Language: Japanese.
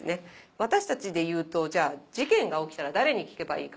私たちでいうと事件が起きたら誰に聞けばいいか。